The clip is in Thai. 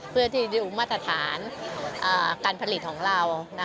เพื่อที่ดูมาตรฐานการผลิตของเรา